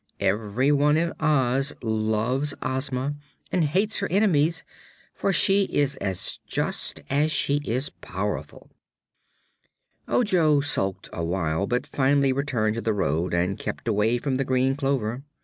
Everyone in Oz loves Ozma and hates her enemies, for she is as just as she is powerful." Ojo sulked a while, but finally returned to the road and kept away from the green clover.